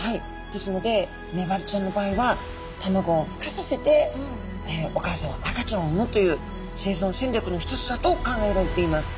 ですのでメバルちゃんの場合は卵をふ化させてお母さんは赤ちゃんをうむという生存戦略の一つだと考えられています。